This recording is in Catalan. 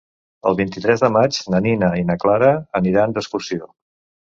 El vint-i-tres de maig na Nina i na Clara aniran d'excursió.